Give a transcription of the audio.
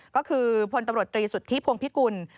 ก็คือพลตำรวจตรีสุทธิพวงพิกุล